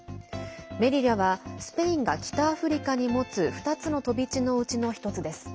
メリリャはスペインが北アフリカに持つ２つの飛び地のうちの１つです。